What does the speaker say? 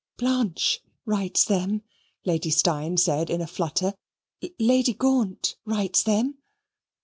"Blanche writes them," Lady Steyne said in a flutter. "Lady Gaunt writes them."